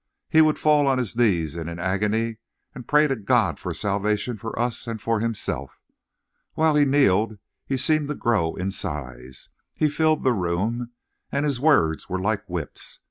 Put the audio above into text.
He would fall on his knees in an agony and pray to God for salvation for us and for himself. While he kneeled he seemed to grow in size. He filled the room. And his words were like whips.